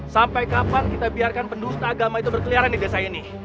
sampai kapan kita biarkan pendusta agama itu berkeliaran di desa ini